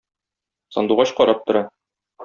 Сандугач карап тора.